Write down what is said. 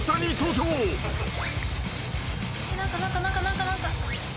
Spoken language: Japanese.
何か何か何か何か何か。